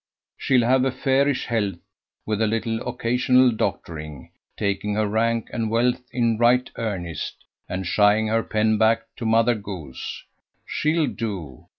She'll have a fairish health, with a little occasional doctoring; taking her rank and wealth in right earnest, and shying her pen back to Mother Goose. She'll do.